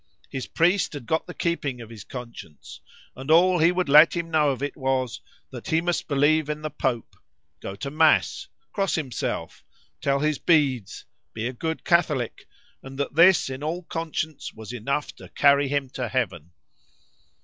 ——his priest had got the keeping of his conscience;——and all he would let him know of it, was, That he must believe in the Pope;—go to Mass;—cross himself;—tell his beads;—be a good Catholic, and that this, in all conscience, was enough to carry him to heaven.